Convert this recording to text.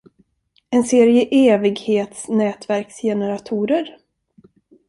En serie evighetsnätverksgeneratorer.